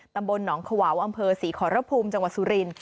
ตำบลหนองขวาวอำเภอศรีขอรภูมิจังหวัดสุรินทร์